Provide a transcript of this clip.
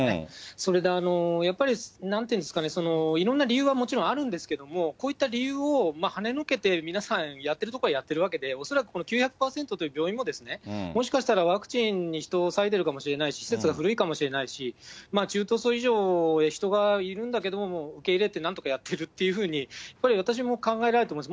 それでやっぱり、なんていうんですかね、いろんな理由はもちろんあるんですけれども、こういった理由をはねのけて、皆さんやってるところはやってるわけで、恐らくこの９００％という病院も、もしかしたら、ワクチンに人を割いてるかもしれないし、施設が古いかもしれないし、中等症以上、人がいるんだけども、もう受け入れてなんとかやっているっていうふうに、やっぱり私も考えられています。